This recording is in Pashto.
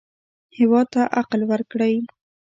هېواد ته عقل ورکړئ